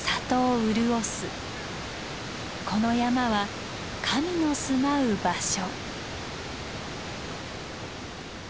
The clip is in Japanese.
この山は神の住まう場所。